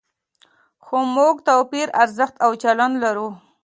خو موږ توپیري ارزښت او چلند لرو.